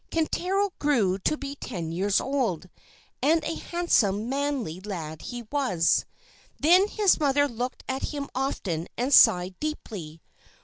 Kintaro grew to be ten years old, and a handsome, manly lad he was. Then his mother looked at him often and sighed deeply.